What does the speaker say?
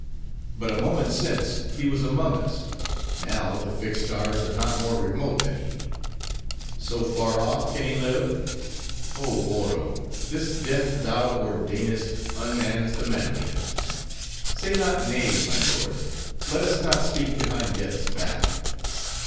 But a moment since, he was among us: now, the fixed stars are not more remote than he. So far off, can he live? Oh, Oro! this death thou ordainest, unmans the manliest. Say not nay, my lord. Let us not speak behind Death's back.